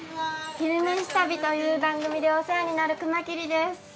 「昼めし旅」という番組でお世話になる熊切です。